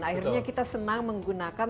akhirnya kita senang menggunakan